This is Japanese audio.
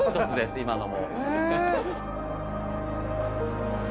今のも。